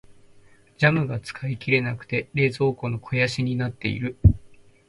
ジャムが使い切れなくて冷蔵庫の肥やしになっている。